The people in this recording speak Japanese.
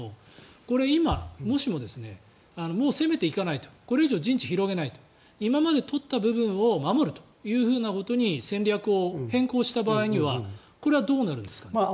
これ今、もしももう攻めていかないとこれ以上、陣地広げないと今まで取った部分を守るということに戦略を変更した場合にはこれはどうなるんですか？